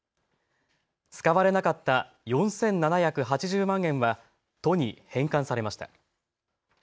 使われなかった４７８０万円は都に返還されました。